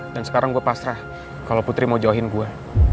dan sekarang gue pasrah kalau putri mau jauhin gue